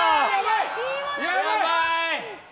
やばい！